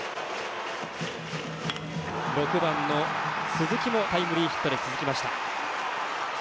６番の鈴木もタイムリーヒットで続きました。